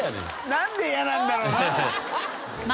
なんで嫌なんだろうな？